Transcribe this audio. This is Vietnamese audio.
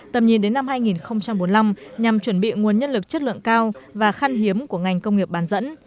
tầm nhìn đến năm hai nghìn bốn mươi năm nhằm chuẩn bị nguồn nhân lực chất lượng cao và khăn hiếm của ngành công nghiệp bán dẫn